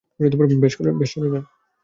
বেশ, সরে যান!